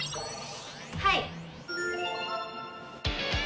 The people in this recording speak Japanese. はい！